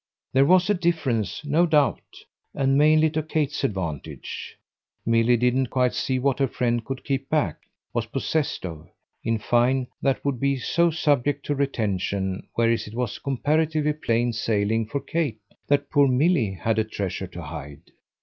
There was a difference, no doubt, and mainly to Kate's advantage: Milly didn't quite see what her friend could keep back, was possessed of, in fine, that would be so subject to retention; whereas it was comparatively plain sailing for Kate that poor Milly had a treasure to hide.